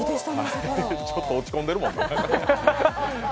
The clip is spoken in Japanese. ちょっと落ち込んでるもんな。